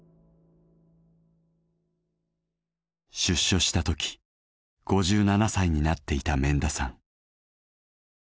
出所したとき５７歳になっていた免田さん。